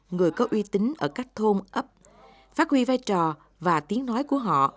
người có uy tín ở các thôn ấp phát huy vai trò và tiếng nói của họ